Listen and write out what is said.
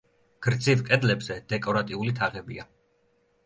გრძივ კედლებზე დეკორატიული თაღებია.